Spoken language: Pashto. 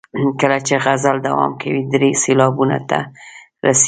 کله چې غزل دوام کوي درې سېلابونو ته رسیږي.